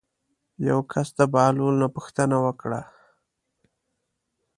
یو کس د بهلول نه پوښتنه وکړه.